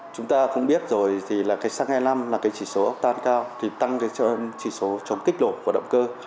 chúng ta cũng biết rồi thì là cái xăng e năm là cái chỉ số octane cao thì tăng cái chỉ số chống kích lột của động cơ